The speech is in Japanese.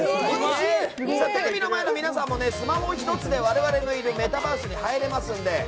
テレビの前の皆さんもスマホ１つで我々のいるメタバースに入れますので。